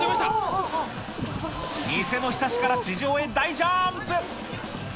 店のひさしから地上へ大ジャンプ。